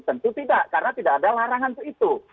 tentu tidak karena tidak ada larangan itu